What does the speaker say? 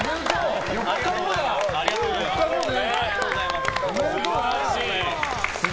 ありがとうございます。